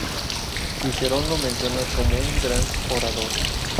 Cicerón lo menciona como un gran orador.